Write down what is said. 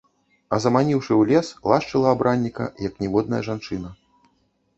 А заманіўшы ў лес, лашчыла абранніка, як ніводная жанчына.